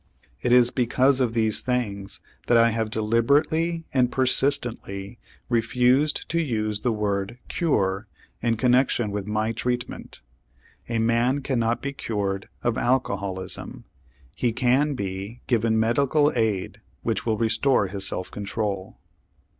It is because of these things that I have deliberately and persistently refused to use the word "cure" in connection with my treatment. A man cannot be cured of alcoholism. He can be given medical aid which will restore his self control.